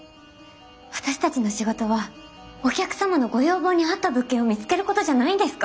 私たちの仕事はお客様のご要望にあった物件を見つけることじゃないんですか？